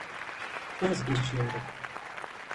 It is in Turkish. Vazgeçiyorum.